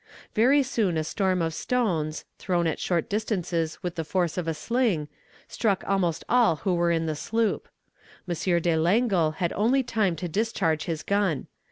"Very soon a storm of stones, thrown at short distances with the force of a sling, struck almost all who were in the sloop. M. de Langle had only time to discharge his gun.